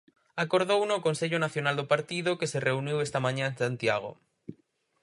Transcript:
Acordouno o Consello Nacional do partido que se reuniu esta mañá en Santiago.